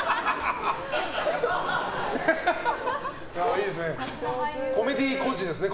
いいですね。